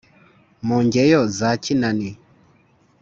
Mungeyo Za kinani